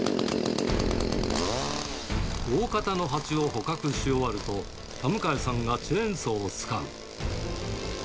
大方のハチを捕獲し終わると、田迎さんがチェーンソーを使う。